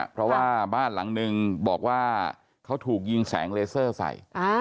เพราะว่าบ้านหลังนึงบอกว่าเขาถูกยิงแสงเลเซอร์ใส่